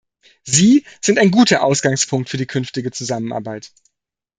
Sie sind ein guter Ausgangspunkt für die künftige Zusammenarbeit.